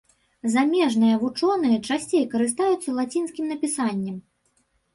Замежныя вучоныя часцей карыстаюцца лацінскім напісаннем.